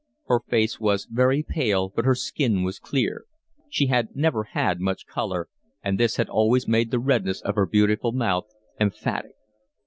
Her face was very pale, but her skin was clear: she had never had much colour, and this had always made the redness of her beautiful mouth emphatic.